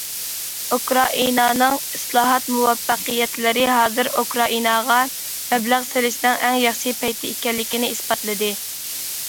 ئۇكرائىنانىڭ ئىسلاھات مۇۋەپپەقىيەتلىرى ھازىر ئۇكرائىناغا مەبلەغ سېلىشنىڭ ئەڭ ياخشى پەيتى ئىكەنلىكىنى ئىسپاتلىدى.